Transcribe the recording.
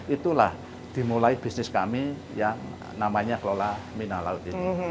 itulah dimulai bisnis kami yang namanya kelola mina laut ini